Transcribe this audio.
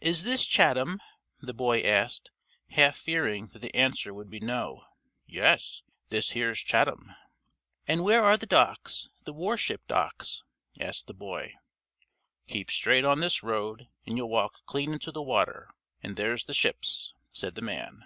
"Is this Chatham?" the boy asked, half fearing that the answer would be "No." "Yes, this here's Chatham." "And where are the docks, the war ship docks?" asked the boy. "Keep straight on this road and you'll walk clean into the water, and there's the ships," said the man.